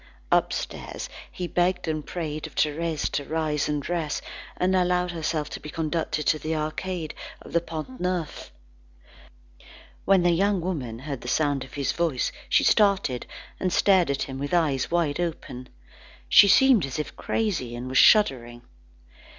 Upstairs, he begged and prayed of Thérèse to rise and dress, and allow herself to be conducted to the Arcade of the Pont Neuf. When the young woman heard the sound of his voice, she started, and stared at him with eyes wide open. She seemed as if crazy, and was shuddering.